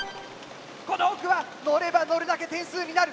この奥はのればのるだけ点数になる！